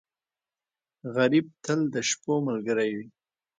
غریب تل د شپو ملګری وي